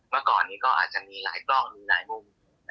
เมื่อก่อนนี้ก็อาจจะมีหลายกล้องหรือหลายมุม